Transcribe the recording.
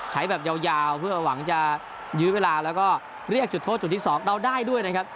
ใช้แบบยาวเพื่อหวังจะยื้อเวลาแล้วก็เรียกจุดโทษจุดที่๒เราได้ด้วยนะครับ